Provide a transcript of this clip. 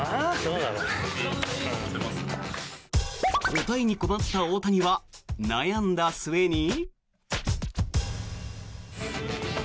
答えに困った大谷は悩んだ末に。